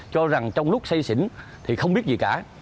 cho rằng trong lúc xây xỉn thì không biết gì cả